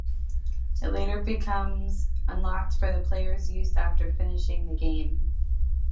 It later becomes unlocked for the player's use after finishing the game.